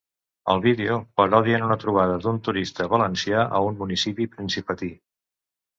Al vídeo parodien una trobada d’un turista valencià a un municipi principatí.